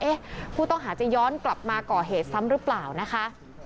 ผู้ต้องหาจะย้อนกลับมาก่อเหตุซ้ำหรือเปล่านะคะ